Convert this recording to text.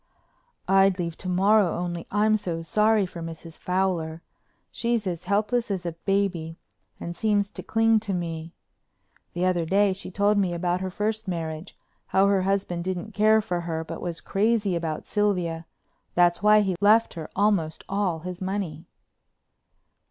"I'd leave to morrow only I'm so sorry for Mrs. Fowler. She's as helpless as a baby and seems to cling to me. The other day she told me about her first marriage—how her husband didn't care for her but was crazy about Sylvia—that's why he left her almost all his money."